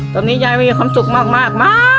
ตอนนี้ยายมีความสุขมากมาก